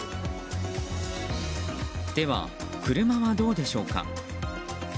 では、車はどうでしょうか。